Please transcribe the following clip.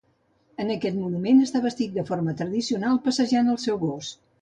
En aquest monument està vestit de forma tradicional, passejant el seu gos.